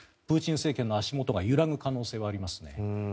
プーチン政権の足元が揺らぐ可能性がありますね。